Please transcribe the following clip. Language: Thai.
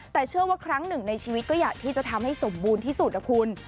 แต่เชื่อว่าครั้งหนึ่งในชีวิตก็อยากที่จะทำให้สมบูรณ์ที่สุดนะคุณ